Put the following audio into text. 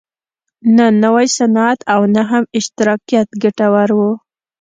نه نوی صنعت او نه هم اشتراکیت ګټور و.